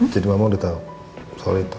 jadi mama udah tahu soal itu